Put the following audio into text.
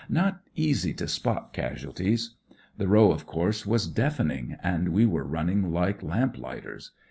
Not easy to spot casualties. The row, of course, was deafening; and we were running like lamplighters.